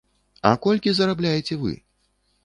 А колькі зарабляеце вы?